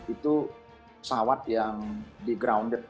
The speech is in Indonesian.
itu pesawat yang di grounded